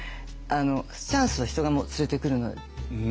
チャンスは人が連れてくるので。